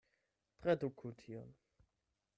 Traduku tion!